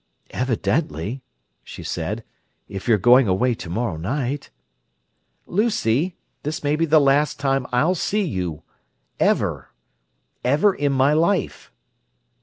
"Evidently!" she said, "if you're going away tomorrow night." "Lucy—this may be the last time I'll see you—ever—ever in my life."